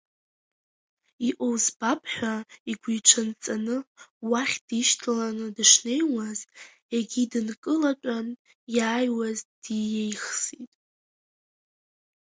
Иҟоу збап ҳәа игәиҽанҵаны уахь дишьҭаланы дышнеиуаз, егьи дынкылатәан, иааиуаз диеихсит.